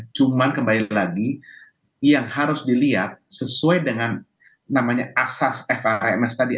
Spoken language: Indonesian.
cuma kembali lagi yang harus dilihat sesuai dengan namanya asas fims tadi